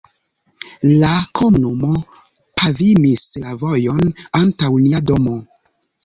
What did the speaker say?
la komunumo pavimis la vojon antaŭ nia domo.